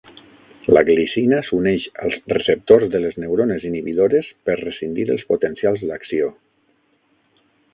La glicina s'uneix als receptors de les neurones inhibidores per rescindir els potencials d'acció.